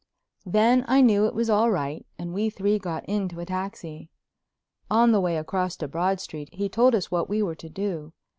Then I knew it was all right and we three got into a taxi. On the way across to Broad Street he told us what we were to do.